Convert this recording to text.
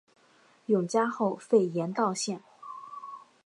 永嘉后废严道县。